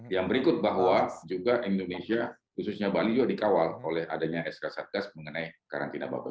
yang berikut bahwa juga indonesia khususnya bali juga dikawal oleh adanya sk satgas mengenai karantina babel